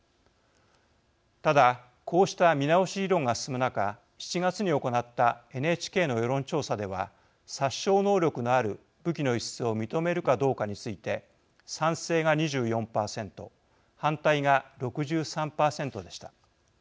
ただこうした見直し議論が進む中７月に行ったＮＨＫの世論調査では殺傷能力のある武器の輸出を認めるかどうかについて賛成が２４％反対が６３％でした。